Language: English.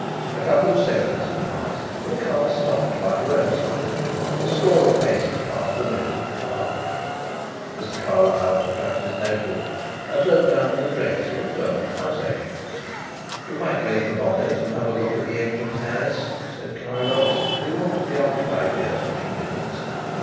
A couple of sentences passed and the car stopped by the roadside, a score of paces past the limit of the garden. Mr. Carlyle took out his notebook and wrote down the address of a firm of house agents. "You might raise the bonnet and have a look at the engines, Harris," said Carrados. "We want to be occupied here for a few minutes."